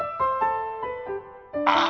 あ！